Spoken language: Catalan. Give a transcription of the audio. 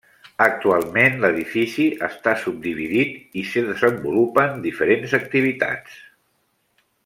Actualment l'edifici està subdividit i s'hi desenvolupen diferents activitats.